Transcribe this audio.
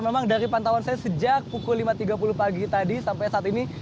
memang dari pantauan saya sejak pukul lima tiga puluh pagi tadi sampai saat ini